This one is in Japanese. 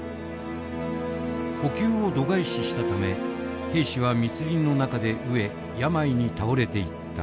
補給を度外視したため兵士は密林の中で飢え病に倒れていった。